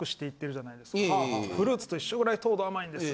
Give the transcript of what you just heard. フルーツと一緒ぐらい糖度甘いんです。